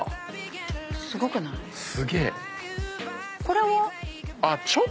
すげえ。